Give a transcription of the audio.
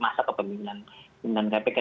masa kepemimpinan kpk